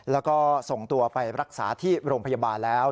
แล้วก็ส่งตัวไปรักษาที่โรงพยาบาลแล้ว